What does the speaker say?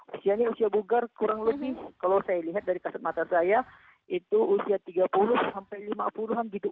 usianya usia bugar kurang lebih kalau saya lihat dari kasat mata saya itu usia tiga puluh sampai lima puluh an gitu